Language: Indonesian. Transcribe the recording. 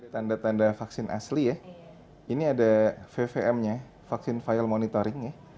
tanda tanda vaksin asli ya ini ada vvm nya vaksin file monitoring ya